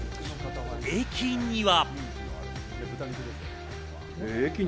駅には。